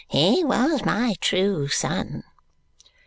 He was my true son."